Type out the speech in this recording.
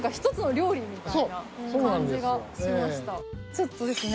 ちょっとですね